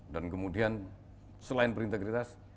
dan kemudian selain berintegritas